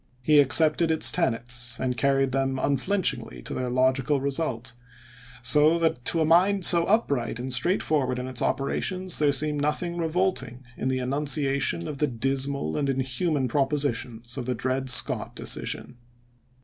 He accepted its tenets and carried them unflinchingly to their logical result, so that to a mind so upright and straight forward in its operations there seemed nothing revolting in the enunciation of the dismal and inhuman propositions of the Dred Scott decision.